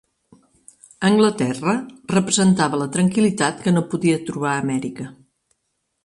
Anglaterra representava la tranquil·litat que no podia trobar a Amèrica.